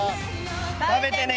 食べてね！